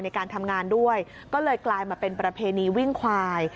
ในการทำงานด้วยก็เลยกลายมาเป็นประเพณีวิ่งควาย